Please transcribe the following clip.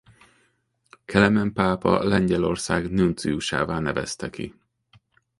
Kelemen pápa Lengyelország nunciusává nevezte ki.